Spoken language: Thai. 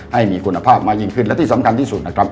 ให้มีคุณภาพมากยิ่งขึ้นและที่สำคัญที่สุดนะครับ